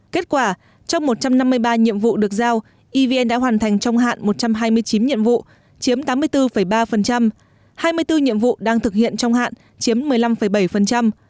kết quả trong một trăm năm mươi ba nhiệm vụ được giao evn đã hoàn thành trong hạn một trăm hai mươi chín nhiệm vụ chiếm tám mươi bốn ba hai mươi bốn nhiệm vụ đang thực hiện trong hạn chiếm một mươi năm bảy